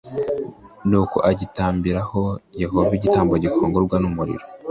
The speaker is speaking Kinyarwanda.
Nuko agitambiraho Yehova ibitambo bikongorwa n umuriro